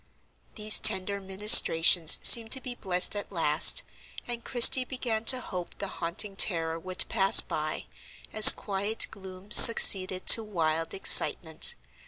These tender ministrations seemed to be blessed at last; and Christie began to hope the haunting terror would pass by, as quiet gloom succeeded to wild excitement.